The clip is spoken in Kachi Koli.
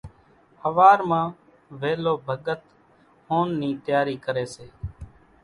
ۿوار مان ويلو ڀڳت هونَ نِي تياري ڪريَ سي۔